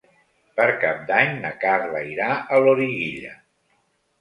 Per Cap d'Any na Carla irà a Loriguilla.